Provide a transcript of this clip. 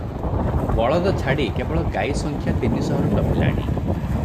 ବଳଦ ଛାଡ଼ି କେବଳ ଗାଈ ସଂଖ୍ୟା ତିନିଶହରୁ ଟପିଲାଣି ।